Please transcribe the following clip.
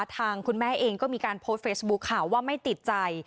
ทางคุณแม่เองก็มีการโพสต์เฟซบุ๊คข่าวว่าไม่ติดใจ